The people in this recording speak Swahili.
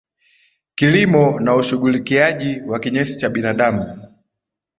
kilimo na ushughulikiaji wa kinyesi cha binadamu